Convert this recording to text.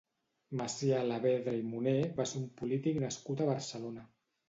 Macià Alavedra i Moner va ser un polític nascut a Barcelona.